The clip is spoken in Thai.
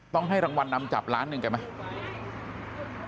ต้องให้รางวัลนำจับล้านหนึ่งกันไหม